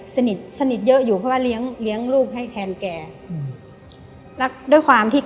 สนิทสนิทเยอะอยู่เพราะว่าเลี้ยงเลี้ยงลูกให้แทนแกอืมแล้วด้วยความที่